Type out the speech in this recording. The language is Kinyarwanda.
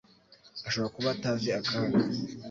Ashobora kuba atazi akaga